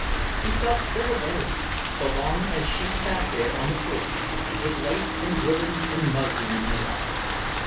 He felt full of energy, so long as she sat there on the porch, with lace and ribbons and muslin in her lap.